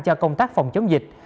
cho công tác phòng chống dịch